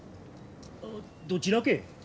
どちらけ？